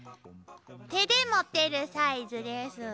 手で持てるサイズです。